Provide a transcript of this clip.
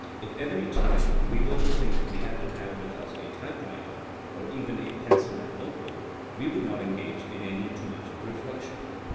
If every time we were to think we had to have with us a typewriter, or even a pencil and note book, we would not engage in any too much reflection.